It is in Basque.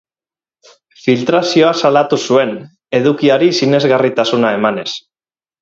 Filtrazioa salatu zuen, edukiari sinesgarritasuna emanez.